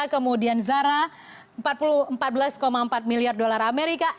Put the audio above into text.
kemudian zara empat belas empat miliar dolar amerika